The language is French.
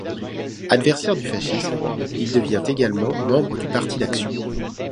Adversaire du fascisme, il devient également membre du Parti d'action.